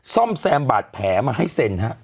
ซ่อมแซมบาดแผลมาให้เซ็นฮะ